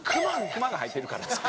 クマがはいてるから。